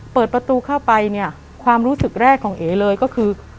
เปิดประตูเข้าไปเนี่ยความรู้สึกแรกของเอ๋เลยก็คือ